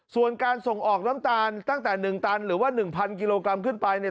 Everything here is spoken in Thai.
ส่วนการส่งออกน้ำตาลตั้งแต่๑ตันหรือว่า๑๐๐กิโลกรัมขึ้นไปเนี่ย